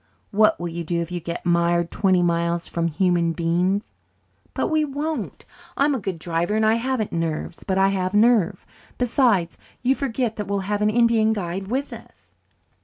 "What will you do if you get mired twenty miles from a human being?" "But we won't. I'm a good driver and I haven't nerves but I have nerve. Besides, you forget that we'll have an Indian guide with us."